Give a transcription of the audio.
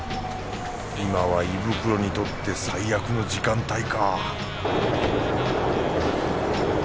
今は胃袋にとって最悪の時間帯か